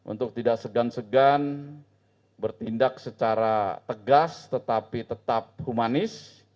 untuk tidak segan segan bertindak secara tegas tetapi tetap humanis